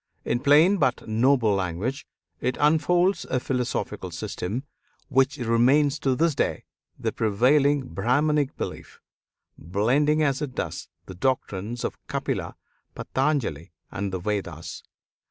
In plain but noble language it unfolds a philosophical system which remains to this day the prevailing Brahmanic belief, blending as it does the doctrines of Kapila, Patanjali, and the Vedas.